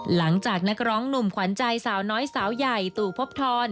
นักร้องหนุ่มขวัญใจสาวน้อยสาวใหญ่ตู่พบทร